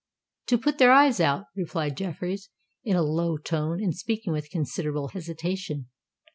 "To put their eyes out," replied Jeffreys, in a low tone, and speaking with considerable hesitation.